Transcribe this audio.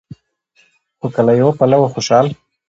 خو که له يوه پلوه خوشال